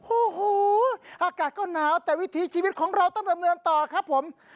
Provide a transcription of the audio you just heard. โอ้โหอากาศก็หนาวแต่วิถีชีวิตของเราต้องดำเนินต่อครับผม